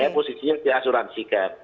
ya posisinya diasuransikan